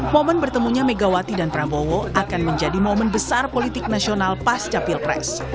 momen bertemunya megawati dan prabowo akan menjadi momen besar politik nasional pasca pilpres